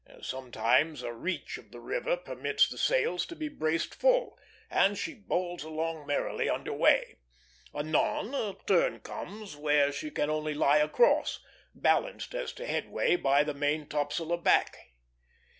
Sometimes a reach of the river permits the sails to be braced full, and she bowls along merrily under way; anon a turn comes where she can only lie across, balanced as to headway by the main topsail aback.